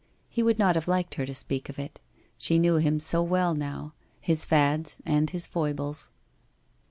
He would not have liked her to speak of it. She knew him so well now, his fads and his foibles.